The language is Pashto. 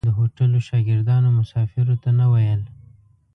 د هوټلو شاګردانو مسافرو ته نه ویل.